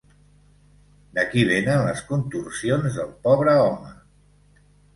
D'aquí vénen les contorsions del pobre home!